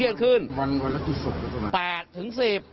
๘ถึง๑๐